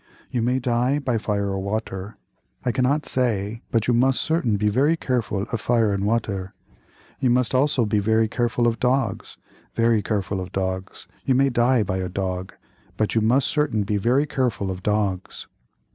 You may die by fire or water, I cannot say but you must certain be very careful of fire and water. You must also be very careful of dogs, very careful of dogs, you may die by a dog, but you must certain be very careful of dogs."